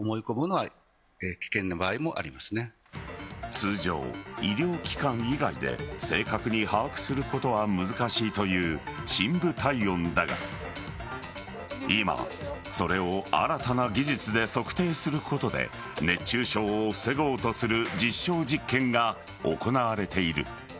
通常、医療機関以外で正確に把握することは難しいという深部体温だが今、それを新たな技術で測定することで熱中症を防ごうとする実証実験が行われている。